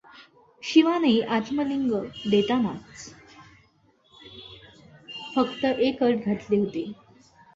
शिवाने आत्मलिंग देतानाच फक्त एक अट घातली होती.